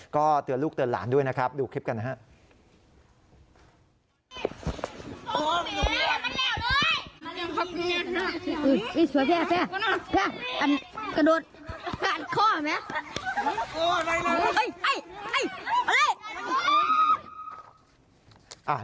ก็เตือนลูกเตือนหลานด้วยนะครับดูคลิปกันนะครับ